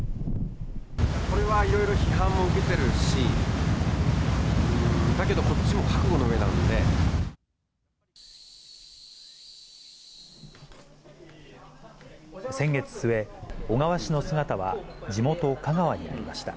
これはいろいろ批判も受けてるし、だけど、先月末、小川氏の姿は地元、香川にありました。